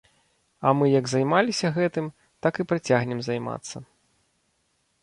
А мы як займаліся гэтым, так і працягнем займацца.